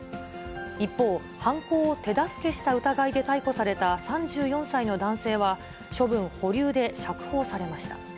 一方、犯行を手助けした疑いで逮捕された３４歳の男性は、処分保留で釈放されました。